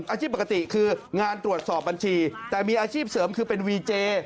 อาชีพปกติคืองานตรวจสอบบัญชีแต่มีอาชีพเสริมคือเป็นวีเจ